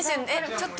ちょっと。